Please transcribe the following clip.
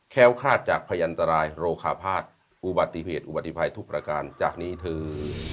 ้วคาดจากพยันตรายโรคาภาคอุบัติเหตุอุบัติภัยทุกประการจากนี้เธอ